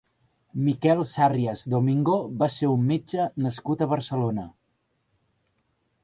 Miquel Sarrias Domingo va ser un metge nascut a Barcelona.